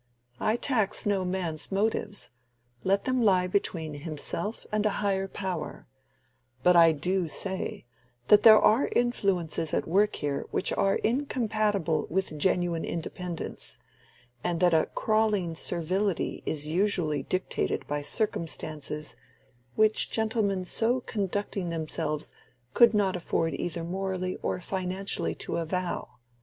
I tax no man's motives: let them lie between himself and a higher Power; but I do say, that there are influences at work here which are incompatible with genuine independence, and that a crawling servility is usually dictated by circumstances which gentlemen so conducting themselves could not afford either morally or financially to avow.